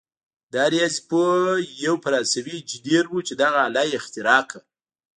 دا ریاضي پوه یو فرانسوي انجنیر وو چې دغه آله یې اختراع کړه.